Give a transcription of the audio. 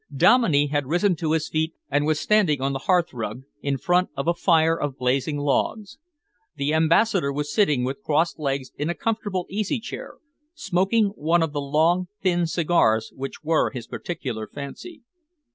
Dominey had risen to his feet and was standing on the hearthrug, in front of a fire of blazing logs. The Ambassador was sitting with crossed legs in a comfortable easy chair, smoking one of the long, thin cigars which were his particular fancy.